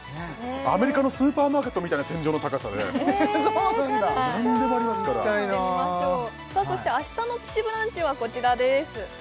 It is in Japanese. アメリカのスーパーマーケットみたいな天井の高さでそうなんだ行きたいなぁ何でもありますからそして明日の「プチブランチ」はこちらです